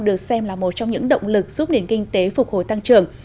được xem là một trong những động lực giúp nền kinh tế phục hồi tăng trưởng